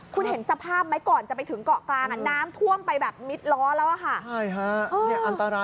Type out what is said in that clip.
คุณนี่จังหวะอันนี้อีกคนหนึ่งนะ